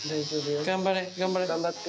頑張れ頑張れ。頑張って。